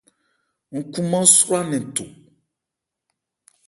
Ńkhumán swra nnɛn tho.